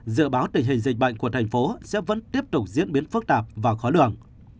dự báo tình hình dịch bệnh của thành phố sẽ vẫn tiếp tục diễn biến phức tạp và khó lường